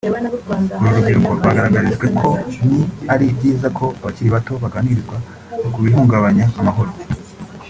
Uru rubyiruko rwagararagarijwe ko ni ari byiza ko abakiri bato baganirizwa kubihungabanya amahoro